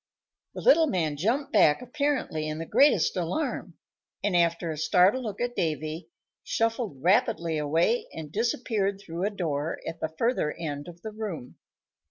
The little man jumped back apparently in the greatest alarm, and, after a startled look at Davy, shuffled rapidly away and disappeared through a door at the further end of the room.